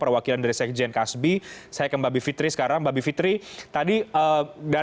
wilayahnya memang beda